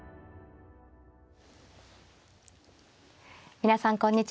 皆さんこんにちは。